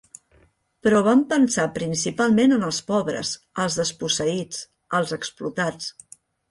Però vam pensar principalment en els pobres, els desposseïts, els explotats.